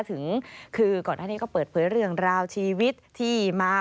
ถึงคือก่อนหน้านี้ก็เปิดเผยเรื่องราวชีวิตที่มา